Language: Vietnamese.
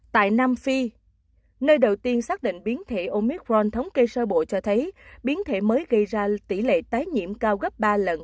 tại nam phi nơi đầu tiên xác định biến thể omicron thống kê sơ bộ cho thấy biến thể mới gây ra tỷ lệ tái nhiễm cao gấp ba lần